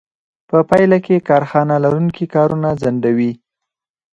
په پایله کې کارخانه لرونکي کارونه ځنډوي